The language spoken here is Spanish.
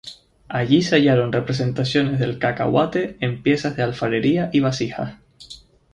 Allí se hallaron representaciones del cacahuate en piezas de alfarería y vasijas.